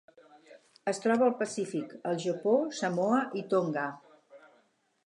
Es troba al Pacífic: el Japó, Samoa i Tonga.